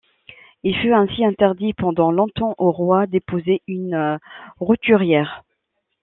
Il fut ainsi interdit pendant longtemps au roi d'épouser une roturière.